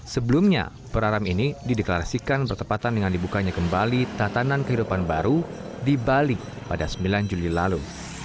sebelumnya peraram ini dideklarasikan bertepatan dengan dibukanya kembali tatanan kehidupan baru di bali pada sembilan juli lalu